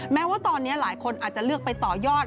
แม้ว่าตอนนี้หลายคนอาจจะเลือกไปต่อยอด